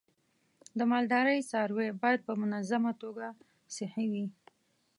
د مالدارۍ څاروی باید په منظمه توګه صحي وي.